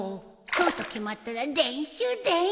そうと決まったら練習練習！